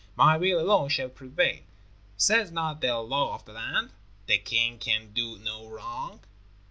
My will alone shall prevail. Says not the law of the land, 'The king can do no wrong'?"